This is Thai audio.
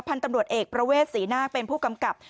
พันธุ์ตำรวจเอกประเวทศรีนาคเป็นผู้กำกับ